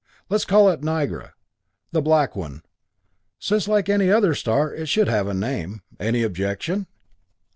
Let's call it Nigra the Black One since like every other star it should have a name. Any objection?"